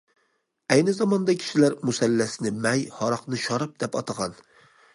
ئەينى زاماندا كىشىلەر مۇسەللەسنى مەي، ھاراقنى شاراب دەپ ئاتىغان.